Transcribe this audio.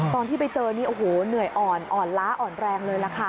คราวที่ไปเจอหน่วยอ่อนอ่อนล้าอ่อนแรงเลยล่ะค่ะ